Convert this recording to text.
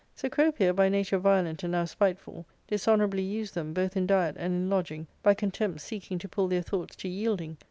Cecropia, by nature violent and now spiteful, dishonour^ ably used them, both in diet and in lodging, by contempt seeking to pull their thoughts to yielding.